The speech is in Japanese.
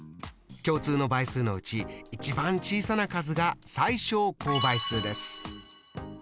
共通の倍数のうち一番小さな数が最小公倍数です。